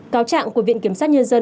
cáo trạng của viện kiểm soát nhân dân